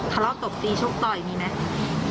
คลอบตบตีชบต่ออีกมีไหม